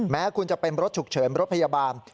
แม้คุณจะเป็นรถฉุกเฉินรถพยาบาล